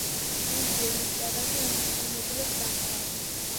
გუნდი ოლიმპიადაზე უმედლოდ დარჩა.